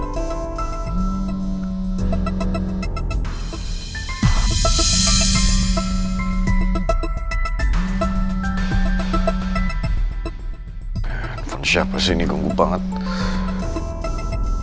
pupa artinya putri dan pangeran